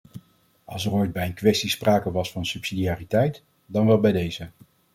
Als er ooit bij een kwestie sprake was van subsidiariteit, dan wel bij deze.